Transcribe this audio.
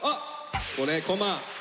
これコマ。